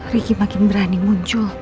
riki makin berani muncul